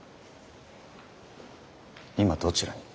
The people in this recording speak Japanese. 今どちらに？